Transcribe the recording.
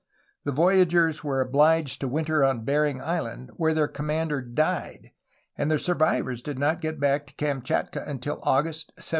The voyagers were obliged to winter on Bering Island, where their commander died, and the survivors did not get back to Kamchatka until August 1742.